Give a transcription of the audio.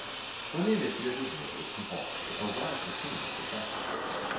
When the initiative is made compulsory a radical change is effected.